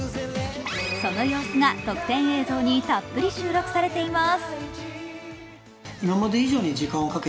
その様子が特典映像にたっぷり収録されています。